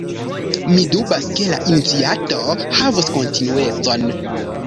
Mi dubas ke la iniciato havus kontinuecon.